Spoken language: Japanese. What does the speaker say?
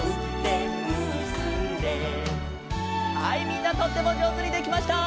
みんなとってもじょうずにできました！